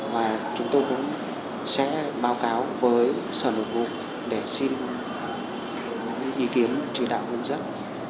và chúng tôi cũng sẽ báo cáo với sở nội vụ để xin những ý kiến chỉ đạo hướng dẫn